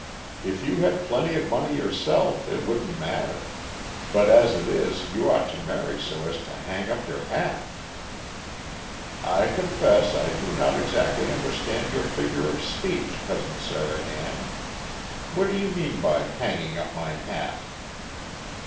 If you had plenty of money yourself it wouldn't matter; but as it is you ought to marry so as to hang up your hat." "I confess I do not exactly understand your figure of speech, Cousin Sarah Ann! What do you mean by hanging up my hat?"